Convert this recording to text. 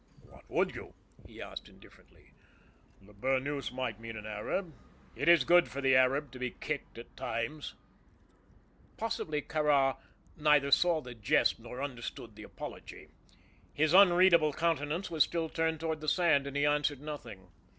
"What would you?" he asked, indifferently. "The burnous might mean an Arab. It is good for the Arab to be kicked at times." Possibly Kāra neither saw the jest nor understood the apology. His unreadable countenance was still turned toward the sand, and he answered nothing.